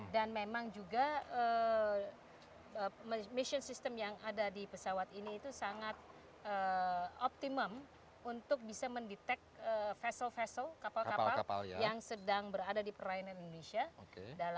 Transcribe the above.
dan memang juga mission system yang ada di pesawat ini itu sangat optimum untuk bisa mendetek kapal kapal yang sedang berada di perlainan indonesia